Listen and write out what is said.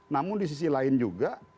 namun di sisi lain juga